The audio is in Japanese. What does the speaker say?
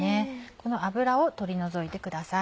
この脂を取り除いてください。